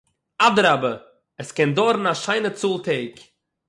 אדרבא, עס קען דויערן אַ שיינע צאָל טעג